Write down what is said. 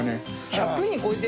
１００人超えて！？